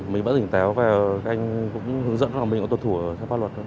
mình vẫn dỉnh téo và anh cũng hướng dẫn mình ở thuật thủ theo pháp luật